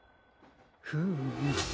フーム。